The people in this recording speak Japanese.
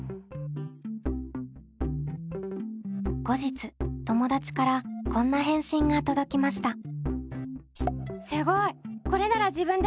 後日友達からこんな返信が届きました。